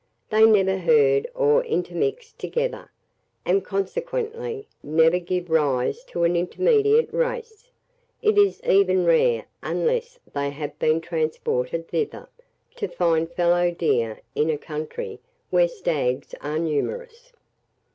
They never herd or intermix together, and consequently never give rise to an intermediate race; it is even rare, unless they have been transported thither, to find fellow deer in a country where stags are numerous.